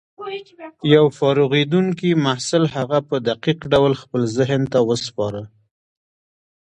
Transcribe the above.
يو فارغېدونکي محصل هغه په دقيق ډول خپل ذهن ته وسپاره.